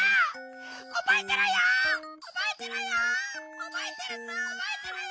おぼえてろよ！